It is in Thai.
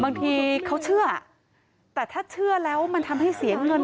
บางทีเขาเชื่อแต่ถ้าเชื่อแล้วมันทำให้เสียเงิน